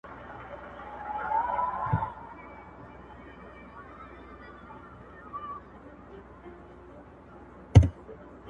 باید ستاسې د حکم تعمیل وشي